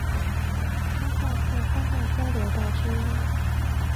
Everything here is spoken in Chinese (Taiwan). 彰化縣三大交流道之一